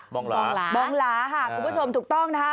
บองหลาคุณผู้ชมถูกต้องนะคะ